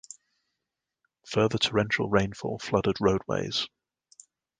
Further torrential rainfall flooded roadways.